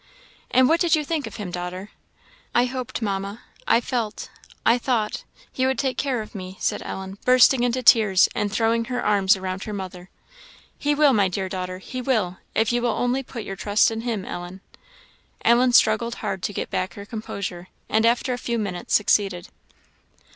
"And what did you think of Him, daughter?" "I hoped, Mamma I felt I thought he would take care of me," said Ellen, bursting into tears, and throwing her arms around her mother. "He will, my dear daughter, he will, if you will only put your trust in Him, Ellen." Ellen struggled hard to get back her composure, and after a few minutes succeeded.